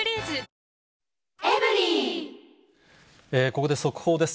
ここで速報です。